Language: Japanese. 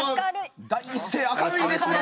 第一声明るいですね。